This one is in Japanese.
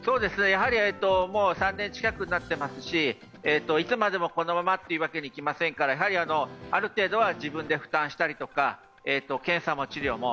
もう３年近くなっていますし、いつまでもこのままというわけにはいきませんからある程度は自分で負担したりとか、検査も治療も。